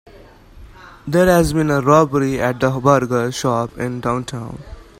There has been a robbery at the burger shop in downtown.